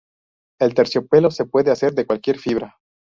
El terciopelo se puede hacer de cualquier fibra.